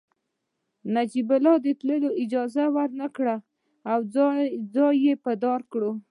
نجیب الله ته د وتلو اجازه ورنکړل شوه او ځان يې په دار کړ